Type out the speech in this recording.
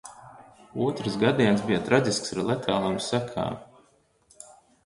Otrs gadiens bija traģisks ar letālām sekām.